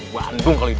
bandung kali ini